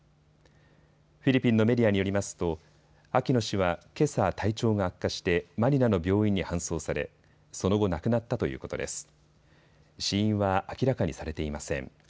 フィリピンのメディアによりますとアキノ氏は、けさ体調が悪化してマニラの病院に搬送されその後亡くなったということです。